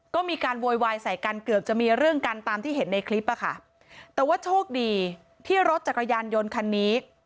ก็มีการโวยวายใส่กันเกือบจะมีเรื่องกันตามที่เห็นในคลิปอะค่ะแต่ว่าโชคดีที่รถจักรยานยนต์คันนี้